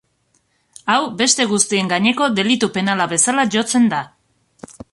Hau beste guztien gaineko delitu penala bezala jotzen da.